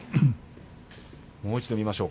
もう一度、見ましょう。